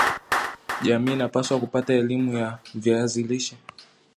jamii inapaswa kupata elimu ya viazi lishe